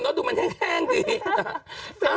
กล้องกว้างอย่างเดียว